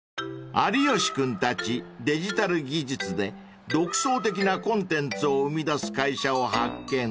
［有吉君たちデジタル技術で独創的なコンテンツを生み出す会社を発見］